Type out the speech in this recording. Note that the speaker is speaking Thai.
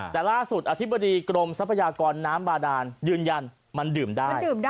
แต่ล่าสุดอธิบดีกรมทรัพยากรน้ำบาดานยืนยันมันดื่มได้